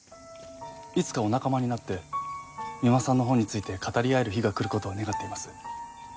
いつかお仲間になって三馬さんの本について語り合える日が来る事を願っています。